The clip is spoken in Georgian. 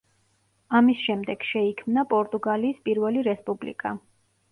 ამის შემდეგ შეიქმნა პორტუგალიის პირველი რესპუბლიკა.